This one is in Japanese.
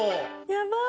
やばい！